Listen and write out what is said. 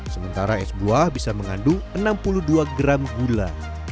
sementara es buah bisa mengandung enam puluh dua gram gula